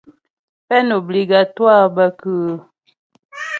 Peine obligatoire bə kʉ́ʉ́ ?